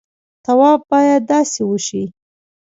طواف باید داسې وشي.